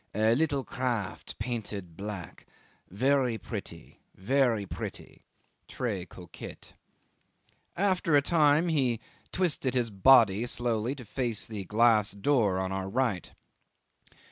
A little craft painted black very pretty very pretty (tres coquet)." After a time he twisted his body slowly to face the glass door on our right.